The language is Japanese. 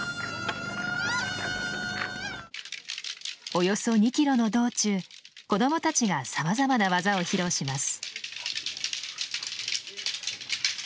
およそ２ｋｍの道中子供たちがさまざまな技を披露します。